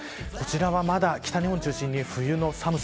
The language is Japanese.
こちらはまだ北日本を中心に冬の寒さ。